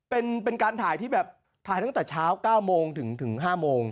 เป็นการถ่ายที่แบบถ่ายตั้งแต่เช้า๙โมงถึง๕โมง